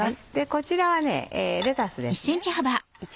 こちらはレタスですね。